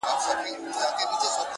نور مينه نه کومه دا ښامار اغزن را باسم؛